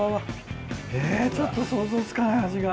えぇちょっと想像つかない味が。